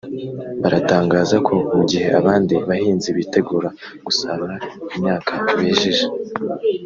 baratangaza ko mu gihe abandi bahinzi bitegura gusarura imyaka bejeje